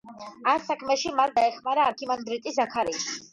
ამ საქმეში მას დაეხმარა არქიმანდრიტი ზაქარია.